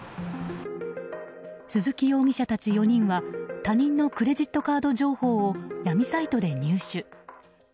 鈴木容疑者たち４人は他人のクレジットカード情報を闇サイトで入手。